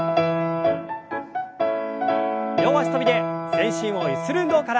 両脚跳びで全身をゆする運動から。